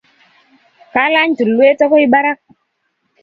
Kalany tulwet akoi barak